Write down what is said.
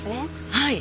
はい。